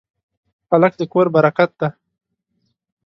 هلک د کور برکت دی.